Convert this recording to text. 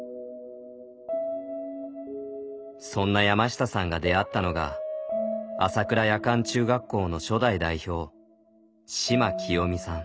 そんな山下さんが出会ったのが朝倉夜間中学校の初代代表嶋清三さん。